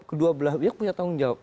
kedua belah pihak punya tanggung jawab